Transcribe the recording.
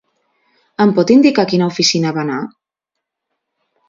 Em pot indicar a quina oficina va anar?